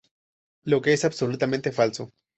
Lo que es absolutamente falso.